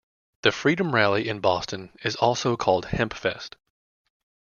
The Freedom Rally in Boston is also called Hempfest.